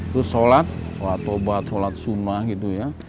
terus sholat sholat tobat sholat sunnah gitu ya